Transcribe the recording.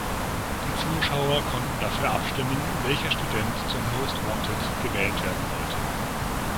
Die Zuschauer konnten dafür abstimmen, welcher Student zum "Most Wanted" gewählt werden sollte.